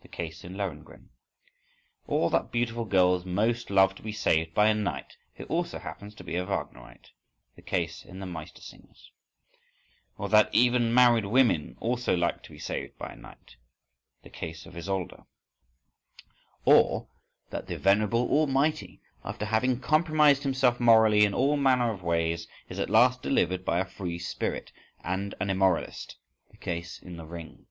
(the case in "Lohengrin"). Or that beautiful girls most love to be saved by a knight who also happens to be a Wagnerite? (the case in the "Mastersingers"). Or that even married women also like to be saved by a knight? (the case of Isolde). Or that the venerable Almighty, after having compromised himself morally in all manner of ways, is at last delivered by a free spirit and an immoralist? (the case in the "Ring").